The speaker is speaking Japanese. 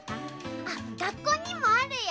あっがっこうにもあるよ。